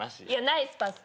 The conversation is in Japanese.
ナイスパス。